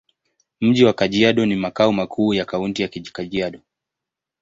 Mji wa Kajiado ni makao makuu ya Kaunti ya Kajiado.